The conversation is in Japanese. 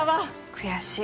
悔しい。